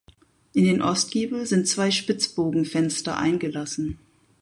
In den Ostgiebel sind zwei Spitzbogenfenster eingelassen.